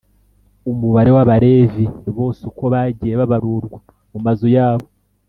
umubare w’abalevi bose uko bagiye babarurwa mu mazu yabo.